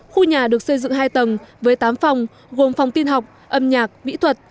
khu nhà được xây dựng hai tầng với tám phòng gồm phòng tin học âm nhạc mỹ thuật